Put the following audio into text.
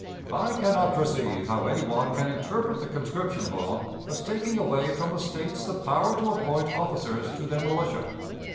I can not perceive how any one can interpret the conscription law as taking away from the States the power to appoint officers to their militia.